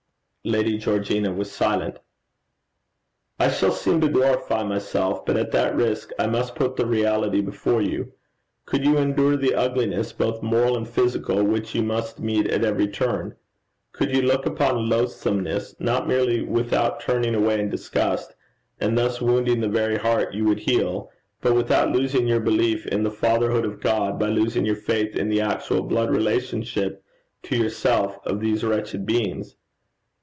Lady Georgina was silent. 'I shall seem to glorify myself, but at that risk I must put the reality before you. Could you endure the ugliness both moral and physical which you must meet at every turn? Could you look upon loathsomeness, not merely without turning away in disgust, and thus wounding the very heart you would heal, but without losing your belief in the Fatherhood of God, by losing your faith in the actual blood relationship to yourself of these wretched beings?